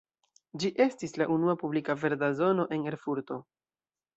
Ĝi estis la unua publika verda zono en Erfurto.